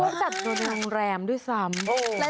เขาจัดตัวนางแรมด้วยซ้ำ